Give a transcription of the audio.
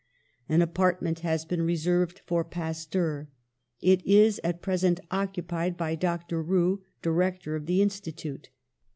An apart ment has been reserved for Pasteur; it is at present occupied by Dr. Roux, director of the institute.